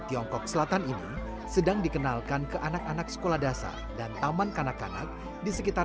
tiongkok selatan ini sedang dikenalkan ke anak anak sekolah dasar dan taman kanak kanak di sekitar